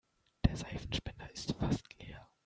Der Seifenspender ist fast leer.